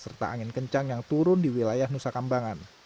serta angin kencang yang turun di wilayah nusa kambangan